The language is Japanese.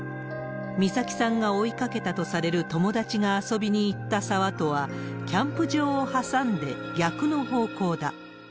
美咲さんが追いかけたとされる友達が遊びに行った沢とは、キャンプ場を挟んで逆の方向だ。